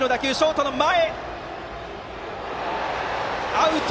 アウト！